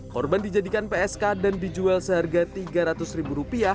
korban dijadikan psk dan dijual seharga rp tiga ratus